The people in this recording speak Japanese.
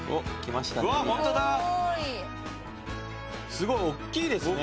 すごいおっきいですね。